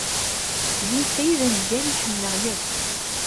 D netta ay d aneggal ay ḥemmleɣ akk.